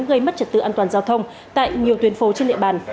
gây mất trật tự an toàn giao thông tại nhiều tuyến phố trên địa bàn